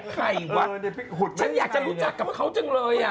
ใช่หรอฉันอยากจะรู้จักกับเขาจังเลยอ่ะ